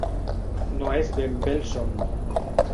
No és ben bé el somni.